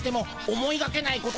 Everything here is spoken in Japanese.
思いがけないこと？